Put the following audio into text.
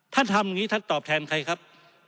ทำอย่างนี้ท่านตอบแทนใครครับ